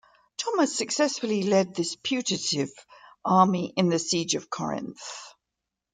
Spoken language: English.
Thomas successfully led this putative army in the siege of Corinth.